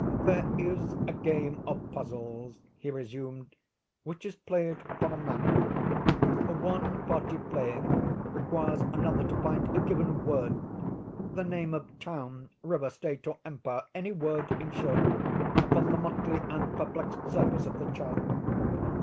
"There is a game of puzzles," he resumed, "which is played upon a map. One party playing requires another to find a given word—the name of town, river, state or empire—any word, in short, upon the motley and perplexed surface of the chart.